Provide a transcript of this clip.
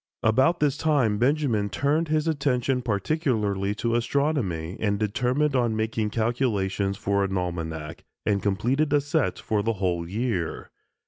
About this time Benjamin turned his attention particularly to astronomy, and determined on making calculations for an almanac, and completed a set for the whole year.